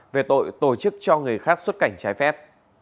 về tội tổ chức cho người khác xuất cảnh trái phép